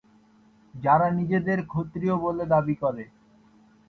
যারা নিজেদের ক্ষত্রিয় বলে দাবী করে।